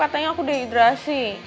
katanya aku dehidrasi